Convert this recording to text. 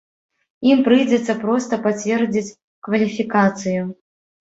Ім прыйдзецца проста пацвердзіць кваліфікацыю.